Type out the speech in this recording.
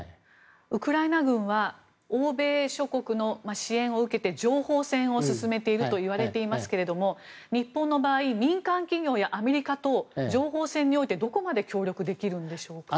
ウクライナ軍は欧米諸国の支援を受けて情報戦を進めているといわれていますが日本の場合民間企業やアメリカと情報戦において、どこまで協力できるんでしょうか。